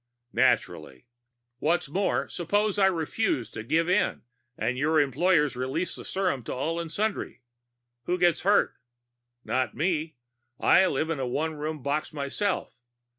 "Naturally. What's more, suppose I refuse to give in and your employers release the serum to all and sundry. Who gets hurt? Not me; I live in a one room box myself.